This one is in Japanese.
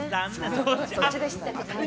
そっちでしたか。